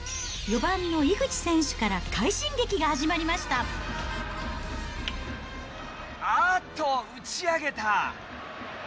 ４番の井口選手から快進撃が始まあっと、打ち上げた。